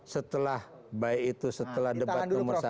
setelah baik itu setelah debat nomor satu atau nomor dua